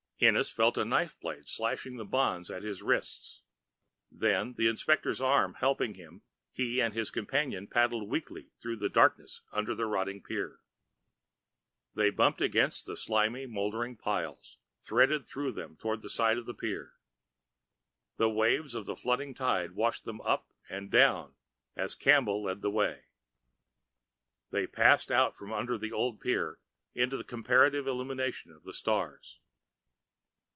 Ennis felt a knife blade slashing the bonds at his wrists. Then, the inspector's arm helping him, he and his companion paddled weakly through the darkness under the rotting pier. They bumped against the slimy, moldering piles, threaded through them toward the side of the pier. The waves of the flooding tide washed them up and down as Campbell led the way. They passed out from under the old pier into the comparative illumination of the stars.